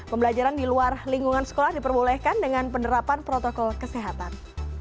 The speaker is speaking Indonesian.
pembelajaran di luar lingkungan sekolah diperbolehkan dengan penerapan protokol kesehatan